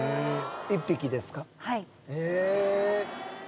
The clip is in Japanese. １匹ですか？